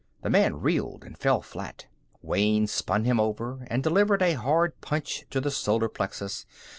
The man reeled and fell flat. Wayne spun him over and delivered a hard punch to the solar plexus.